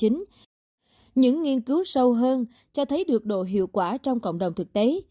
những nghiên cứu sâu hơn cho thấy được độ hiệu quả trong cộng đồng thực tế